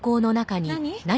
何？